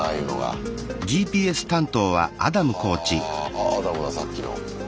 あっアダムださっきの。